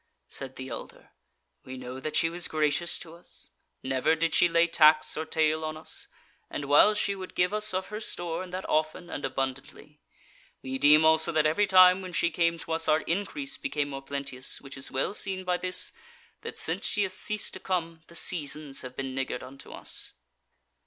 Said the elder: "We know that she was gracious to us; never did she lay tax or tale on us, and whiles she would give us of her store, and that often, and abundantly. We deem also that every time when she came to us our increase became more plenteous, which is well seen by this, that since she hath ceased to come, the seasons have been niggard unto us."